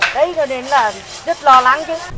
đấy cho nên là rất lo lắng chứ